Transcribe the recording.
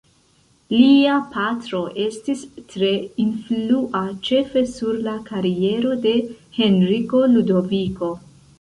Lia patro estis tre influa ĉefe sur la kariero de Henriko Ludoviko.